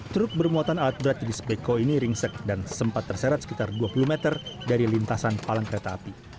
truk bermuatan alat berat jenis beko ini ringsek dan sempat terserat sekitar dua puluh meter dari lintasan palang kereta api